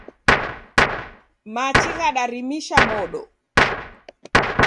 Machi ghadarimisha modo.